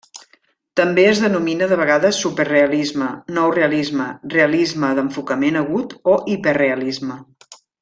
També es denomina de vegades superrealisme, nou realisme, realisme d'enfocament agut o hiperrealisme.